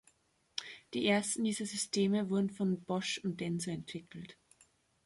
Die ersten dieser Systeme wurden von Bosch und Denso entwickelt.